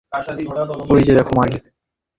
ঐযে দেখ মাগী!